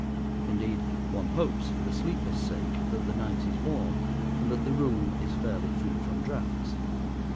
Indeed, one hopes, for the sleeper's sake, that the night is warm, and that the room is fairly free from draughts.